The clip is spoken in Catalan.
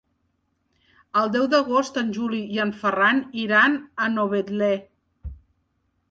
El deu d'agost en Juli i en Ferran iran a Novetlè.